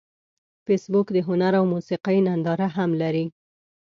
فېسبوک د هنر او موسیقۍ ننداره هم لري